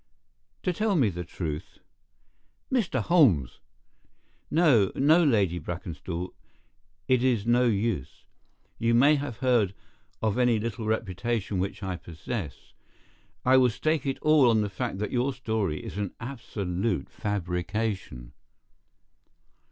"To tell me the truth." "Mr. Holmes!" "No, no, Lady Brackenstall—it is no use. You may have heard of any little reputation which I possess. I will stake it all on the fact that your story is an absolute fabrication."